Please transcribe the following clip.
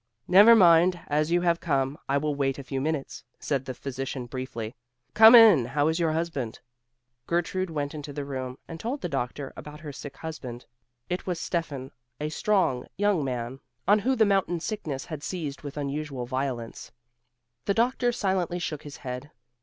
"Never mind; as you have come, I will wait a few minutes," said the physician, briefly; "Come in; how is your husband?" Gertrude went into the room, and told the doctor about her sick husband. It was Steffan, a strong, young man, on whom the mountain sickness had seized with unusual violence. The doctor silently shook his head.